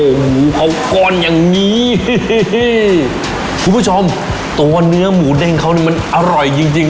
โอ้โหเขาก้อนอย่างนี้คุณผู้ชมตัวเนื้อหมูเด้งเขานี่มันอร่อยจริงจริง